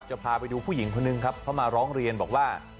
พาไปดูผู้หญิงคนนึงครับเขามาร้องเรียนบอกว่า